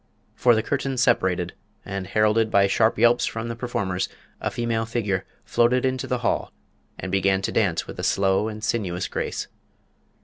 For the curtains separated, and, heralded by sharp yelps from the performers, a female figure floated into the hall and began to dance with a slow and sinuous grace.